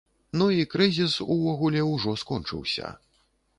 Ну, і крызіс, увогуле, ужо скончыўся.